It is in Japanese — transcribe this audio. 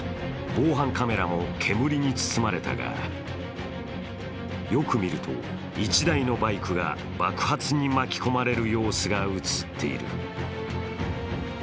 防犯カメラも煙に包まれたが、よく見ると１台のバイクが爆発に巻き込まれる様子が映っている。